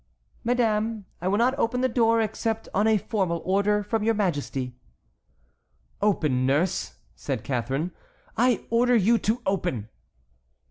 "Madame, I will not open the door except on a formal order from your majesty." "Open, nurse," said Catharine, "I order you to open!"